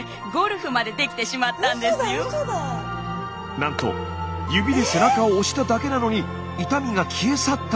なんと指で背中を押しただけなのに痛みが消え去ったというんです。